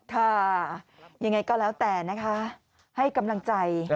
ค่ะยังไงก็แล้วแต่นะคะให้กำลังใจ